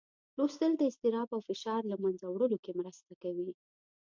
لوستل د اضطراب او فشار له منځه وړلو کې مرسته کوي